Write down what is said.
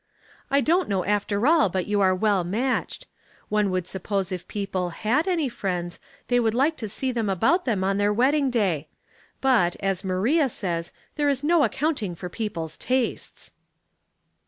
" I don't know after all but j^ou are well matched. One would suppose that if people had 860 Household Puzzles. any friends they would like to see them about them on their wedding day. Bat, as Maria says, there is no accounting for people's tastes."